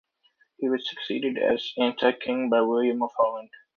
He was succeeded as anti-king by William of Holland.